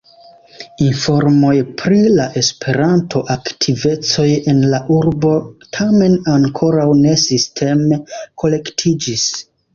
Informoj pri la Esperanto-aktivecoj en la urbo tamen ankoraŭ ne sisteme kolektiĝis.